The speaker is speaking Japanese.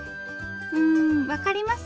うん分かります？